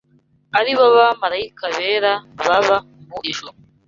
ari bo bamarayika bera baba mu ijuru